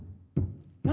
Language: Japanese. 何？